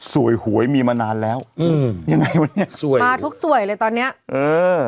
สวยหวยมีมานานแล้วอืมยังไงวันนี้สวยมาทุกสวยเลยตอนเนี้ยเออ